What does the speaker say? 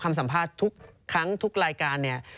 สัมภาษณ์ทุกครั้งทุกรายการเนี่ย